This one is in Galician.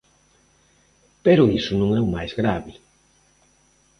Pero iso non é o máis grave.